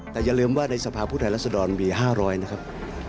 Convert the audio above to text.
แต่อย่าลืมว่าในสภาพผู้แทนรัศดรมี๕๐๐นะครับ